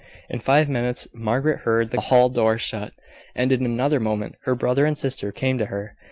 In five minutes, Margaret heard the hall door shut, and, in another moment, her brother and sister came to her.